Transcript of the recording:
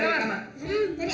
eh siapa tuh